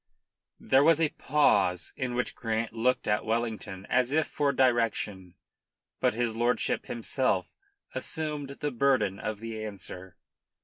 There was a pause in which Grant looked at Wellington as if for direction. But his lordship himself assumed the burden of the answer.